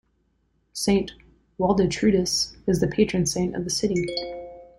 Saint-Waldetrudis is the patron saint of the city.